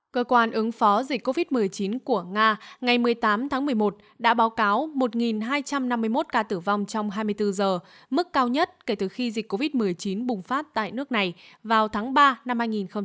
cơ quan ứng phó dịch covid một mươi chín của nga ngày một mươi tám tháng một mươi một đã báo cáo một hai trăm năm mươi một ca tử vong trong hai mươi bốn giờ mức cao nhất kể từ khi dịch covid một mươi chín bùng phát tại nước này vào tháng ba năm hai nghìn hai mươi